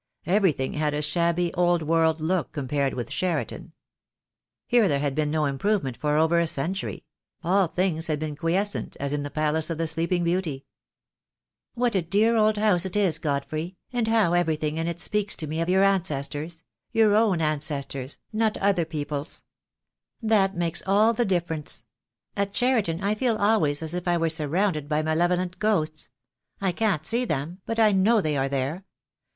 Everything had a shabby, old world look compared with Cheriton. Here there had been no improvement for over a century; all things had been quiescent as in the Palace of the Sleeping Beauty. "What a dear old house it is, Godfrey, and how everything in it speaks to me of your ancestors — your own ancestors — not other people's! That makes all the difference. At Cheriton I feel always as if I were sur rounded by malevolent ghosts. I can't see them, but I know they are there.